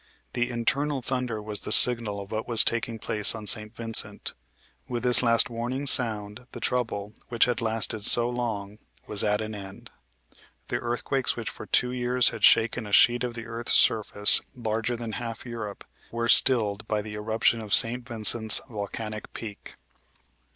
The internal thunder was the signal of what was taking place on St. Vincent. With this last warning sound the trouble, which had lasted so long, was at an end. The earthquakes which for two years had shaken a sheet of the earth's surface larger than half Europe, were stilled by the eruption of St. Vincent's volcanic peak.